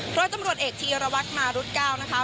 รถจำรวจเอกที่ยรวรรษมารุษเก้า